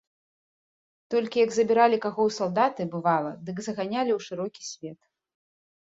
Толькі як забіралі каго ў салдаты, бывала, дык заганялі ў шырокі свет.